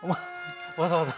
わざわざ！